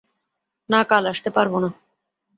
না, কাল আসতে পারব না।